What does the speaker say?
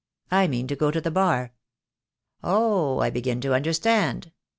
I mean to go to the Bar." "Oh, I begin to understand.